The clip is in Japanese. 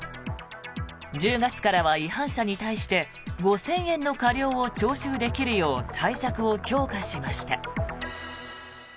１０月からは違反者に対して５０００円の過料を徴収できるよう対策を強化しました。